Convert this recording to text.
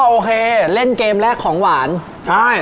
โอเคเล่นเกมแรกของหวานใช่